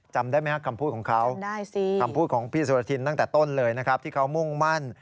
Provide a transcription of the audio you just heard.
จำได้ไหมครับคำพูดของเขาคำพูดของพี่สุรทินตั้งแต่ต้นเลยนะครับที่เขามุ่งมั่น